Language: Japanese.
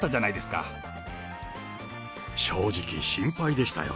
正直、心配でしたよ。